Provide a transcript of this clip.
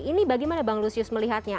ini bagaimana bang lusius melihatnya